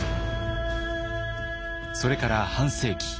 それから半世紀。